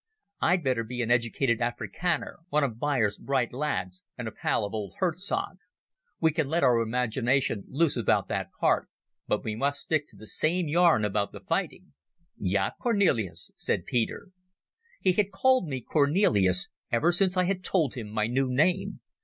I'd better be an educated Afrikander, one of Beyers's bright lads, and a pal of old Hertzog. We can let our imagination loose about that part, but we must stick to the same yarn about the fighting." "Ja, Cornelis," said Peter. (He had called me Cornelis ever since I had told him my new name.